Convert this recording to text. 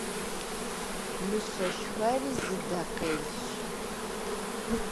Мыщэ шхэри зы дэ къелщ.